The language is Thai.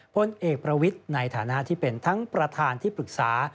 พลเอกประวิทย์ในฐานะที่เป็นทั้งประธานที่ปรึกษา